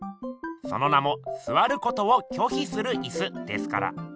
その名も「坐ることを拒否する椅子」ですから。